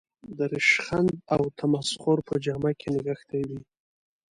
د رشخند او تمسخر په جامه کې نغښتې وي.